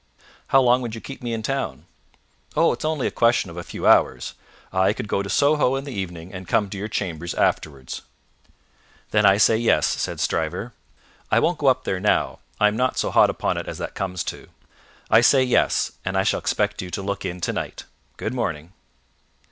"How long would you keep me in town?" "Oh! It is only a question of a few hours. I could go to Soho in the evening, and come to your chambers afterwards." "Then I say yes," said Stryver: "I won't go up there now, I am not so hot upon it as that comes to; I say yes, and I shall expect you to look in to night. Good morning."